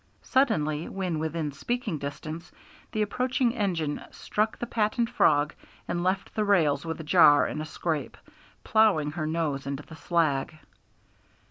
Suddenly, when within speaking distance, the approaching engine struck the patent frog and left the rails with a jar and a scrape, ploughing her nose into the slag.